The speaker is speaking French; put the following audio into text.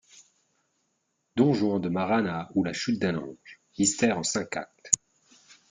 =Don Juan de Marana ou la chute d'un ange.= Mystère en cinq actes.